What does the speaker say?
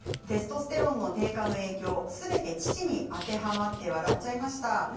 テストステロンの低下の影響すべて父に当てはまって笑っちゃいました。